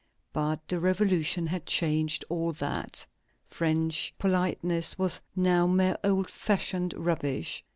But the Revolution had changed all that. French politeness was now mere old fashioned rubbish.